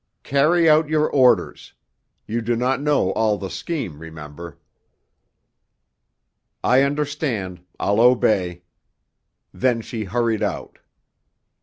"Carry out your orders. You do not know all the scheme, remember." "I understand. I'll obey." Then she hurried out.